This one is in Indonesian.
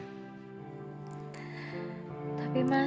hai tapi mas